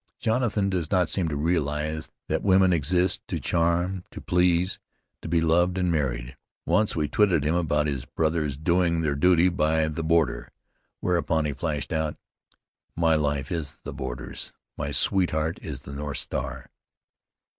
Jonathan does not seem to realize that women exist to charm, to please, to be loved and married. Once we twitted him about his brothers doing their duty by the border, whereupon he flashed out: 'My life is the border's: my sweetheart is the North Star!'"